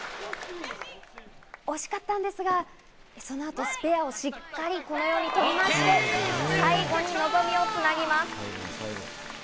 惜しかったんですが、そのあとスペアをしっかりこのように取りまして、最後に望みをつなぎます。